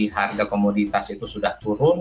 harga komoditas itu sudah turun